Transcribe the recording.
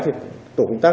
thì tổ công tác